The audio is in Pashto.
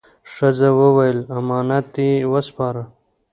ښځه وویل: «امانت دې وسپاره؟»